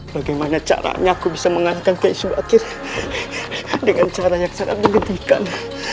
bagaimana caranya aku bisa mengalahkan keiswa akhir dengan cara yang sangat mengedihkan